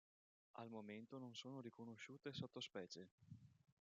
Al momento non sono riconosciute sottospecie.